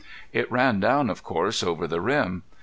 It ran down, of course, over the rim.